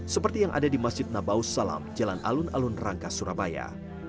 seperti yang ada di masjid nabaus salam jalan alun alun rangka surabaya